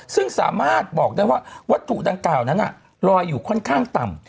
ซึ่งสามารถบอกได้ว่าวัตถุดังกล่าวนั้นลอยอยู่ค่อนข้างต่ำ